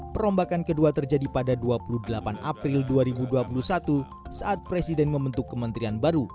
perombakan kedua terjadi pada dua puluh delapan april dua ribu dua puluh satu saat presiden membentuk kementerian baru